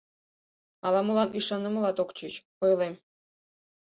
Ала-молан ӱшанымылат ок чуч, — ойлем.